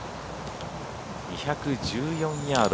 ２１４ヤード。